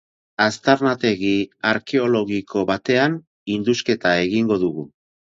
Aztarnategi arkeologiko batean indusketa egingo dugu.